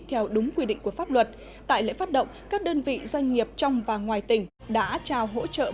theo đúng quy định của pháp luật tại lễ phát động các đơn vị doanh nghiệp trong và ngoài tỉnh đã trao hỗ trợ